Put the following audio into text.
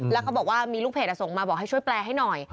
แล้วเขาบอกว่ามีลูกเพจส่งมาบอกให้ช่วยแปลให้หน่อย